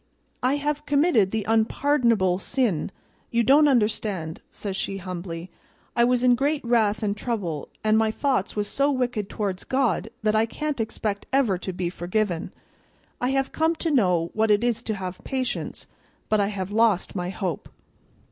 I have committed the unpardonable sin; you don't understand,' says she humbly. 'I was in great wrath and trouble, and my thoughts was so wicked towards God that I can't expect ever to be forgiven. I have come to know what it is to have patience, but I have lost my hope.